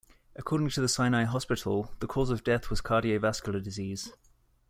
According to the Sinai Hospital, the cause of death was cardiovascular disease.